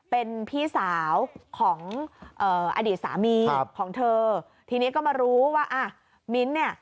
เป็นพี่สาวของอดีตสามีของเธอทีนี้ก็มารู้ว่ามีอยู่เป็น